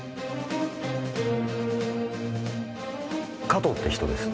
加藤って人です。